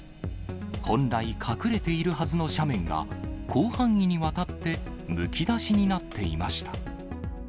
本来隠れているはずの斜面が、広範囲にわたってむき出しになっていました。